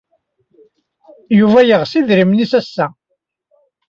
Yuba yeɣs idrimen-nnes ass-a.